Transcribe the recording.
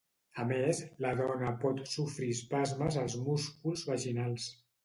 A més, la dona pot sofrir espasmes als músculs vaginals.